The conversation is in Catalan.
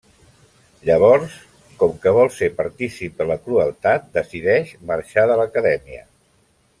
Llavors, com que vol ser partícip de la crueltat, decideix marxar de l'acadèmia.